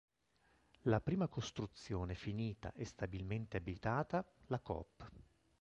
La prima costruzione finita e stabilmente abitata, la "Coop.